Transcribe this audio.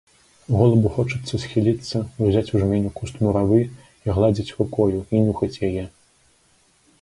Голубу хочацца схіліцца, узяць у жменю куст муравы і гладзіць рукою, і нюхаць яе.